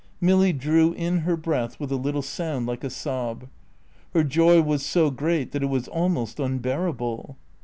Milly drew in her breath with a little sound like a sob. Her joy was so great that it was almost unbearable.